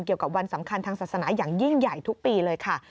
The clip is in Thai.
เกี่ยวกับวันสำคัญทางศาสนาอย่างยิ่งใหญ่ทุกปีเลยค่ะ